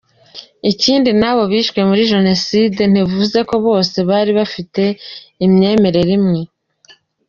Ikindi n’abo bishwe muri Jenoside ntibivuze ko bose bari bafite imyemerere imwe.